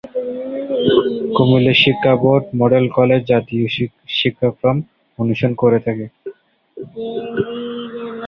কুমিল্লা শিক্ষাবোর্ড model college জাতীয় শিক্ষাক্রম অনুসরণ করে থাকে।